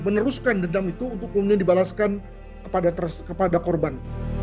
meneruskan dendam itu untuk kemudian dibalaskan kepada korban